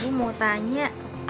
ibu mau tanya